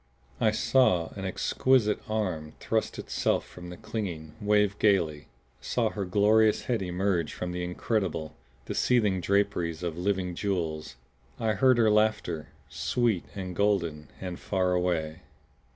I saw an exquisite arm thrust itself from their clinging, wave gaily; saw her glorious head emerge from the incredible, the seething draperies of living jewels. I heard her laughter, sweet and golden and far away.